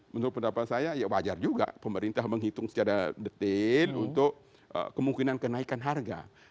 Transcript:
menurut pendapat saya ya wajar juga pemerintah menghitung secara detail untuk kemungkinan kenaikan harga